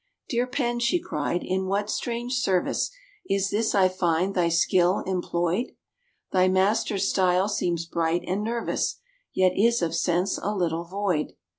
"Dear Pen," she cried, "in what strange service Is this I find thy skill employed? Thy master's style seems bright and nervous, Yet is of sense a little void."